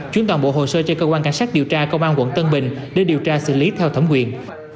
chuyển toàn bộ hồ sơ cho cơ quan cảnh sát điều tra công an quận tân bình để điều tra xử lý theo thẩm quyền